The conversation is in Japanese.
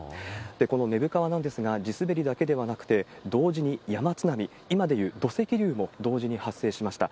この根府川なんですが、地滑りだけではなくて、同時に山津波、今でいう土石流も同時に発生しました。